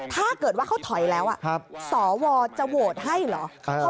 ถ้าเกิดว่าเขาถอยแล้วสวจะโหวตให้เหรอ